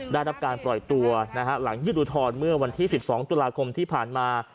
ได้รับการปล่อยตัวหลังยื่นอุทธรณ์เมื่อวันที่๑๒ตุลาคมที่ผ่านมา